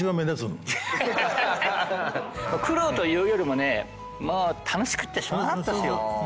苦労というよりもね楽しくってしょうがなかったですよ。